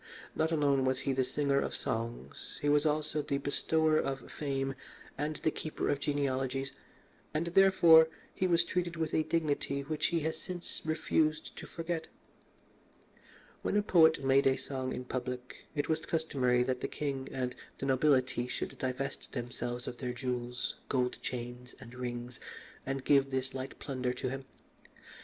Not alone was he the singer of songs, he was also the bestower of fame and the keeper of genealogies, and, therefore, he was treated with a dignity which he has since refused to forget. When a poet made a song in public, it was customary that the king and the nobility should divest themselves of their jewels, gold chains, and rings, and give this light plunder to him.